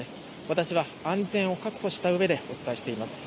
私は安全を確保したうえでお伝えしています。